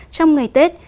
trong ngày tết